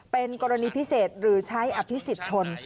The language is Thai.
เป็นกรณีพิเศษหรือใช้อภิษฎชน